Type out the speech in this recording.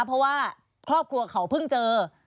เพราะว่าครอบครัวเขาเพิ่งเจอ